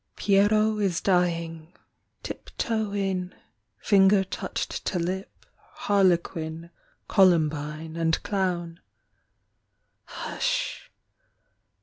Pierrot is dying; Tiptoe in, Finger touched to lip, Harlequin, Columbine and Clown. Hush!